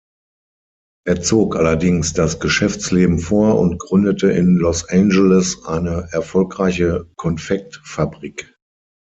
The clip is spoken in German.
Er zog allerdings das Geschäftsleben vor und gründete in Los Angeles eine erfolgreiche Konfekt-Fabrik.